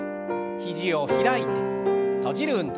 肘を開いて閉じる運動。